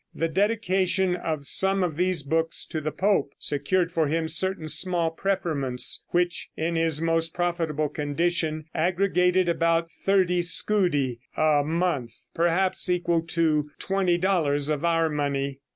The dedication of some of these books to the pope secured for him certain small preferments, which, in his most profitable condition, aggregated about thirty scudi a month (perhaps equal to $20 of our money).